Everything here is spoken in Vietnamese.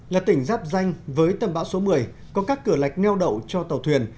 là tỉnh giáp danh với tầm bão số một mươi có các cửa lạch neo đậu cho tàu thuyền